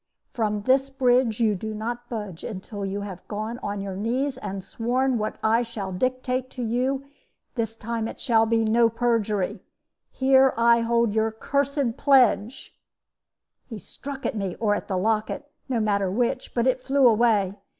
"'From this bridge you do not budge until you have gone on your knees and sworn what I shall dictate to you; this time it shall be no perjury. Here I hold your cursed pledge ' "He struck at me, or at the locket no matter which but it flew away.